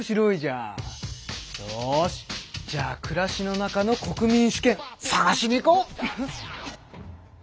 よしじゃあ暮らしの中の国民主権探しに行こう！